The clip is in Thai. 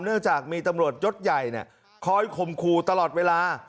เนื่องจากมีตำรวจยศใหญ่คอยข่มขู่ตลอดเวลา